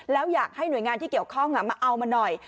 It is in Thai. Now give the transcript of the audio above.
แล้วอยากให้หน่วยงานที่เกี่ยวข้องมาเอามาหน่อย